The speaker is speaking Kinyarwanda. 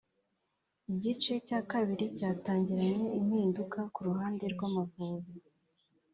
Igice cya kabiri cyatangiranye impinduka ku ruhande rw’Amavubi